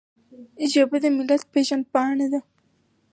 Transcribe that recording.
ژبه د ملت پیژند پاڼه ده.